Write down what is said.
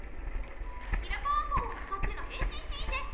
キラパワフォンを使っての変身シーンです。